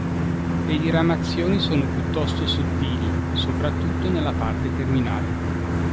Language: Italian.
Le diramazioni sono piuttosto sottili, soprattutto nella parte terminale.